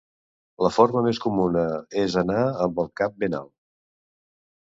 La forma més comuna és anar amb el cap ben alt.